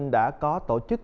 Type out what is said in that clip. đã có tổ chức